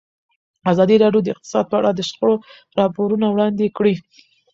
ازادي راډیو د اقتصاد په اړه د شخړو راپورونه وړاندې کړي.